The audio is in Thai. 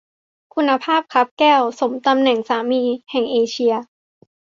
คุณภาพคับแก้ว สมตำแหน่งสามีแห่งเอเชีย